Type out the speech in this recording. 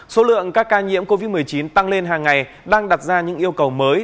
số lượng các ca nhiễm covid một mươi chín tăng lên hàng ngày đang đặt ra những yêu cầu mới